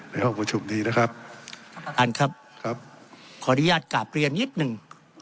ในห้องประชุมนี้นะครับท่านครับครับขออนุญาตกราบเรียนนิดหนึ่ง